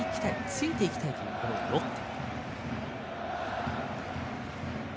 ついていきたいロッテ。